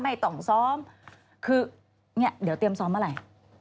ไม่ต้องซ้อมคือเนี่ยเดี๋ยวเตรียมซ้อมเมื่อไหร่